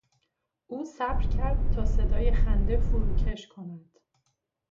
او صبر کرد تا صدای خنده فروکش کند.